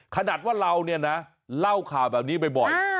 ขนาดว่าเราเนี่ยนะเล่าข่าวแบบนี้บ่อย